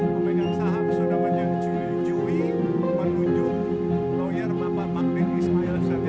pemegang sahab yang terpaksa